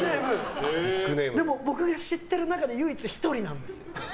でも僕が知ってる中で唯一１人なんですよ。